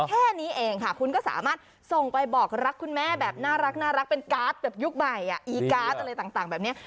แค่นี้เองค่ะคุณก็สามารถส่งไปบอกรักคุณแม่แบบน่ารักเป็นการ์ดแบบยุคใหม่อีการ์ดอะไรต่างแบบนี้